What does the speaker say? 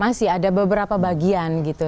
masih ada beberapa bagian gitu